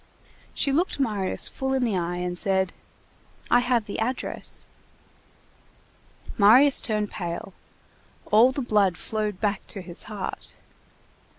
She looked Marius full in the eye, and said:— "I have the address." Marius turned pale. All the blood flowed back to his heart.